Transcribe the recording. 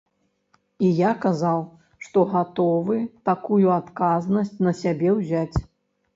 І я казаў, што гатовы такую адказнасць на сябе ўзяць.